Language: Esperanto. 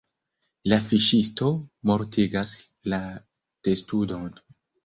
La fiŝisto mortigas la testudon.